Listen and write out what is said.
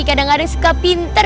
kadang kadang suka pinter